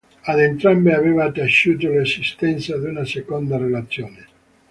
Ad entrambe aveva taciuto l'esistenza di una seconda relazione.